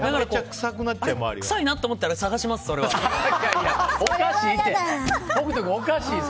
くさいなと思ったら探しますじゃないよ。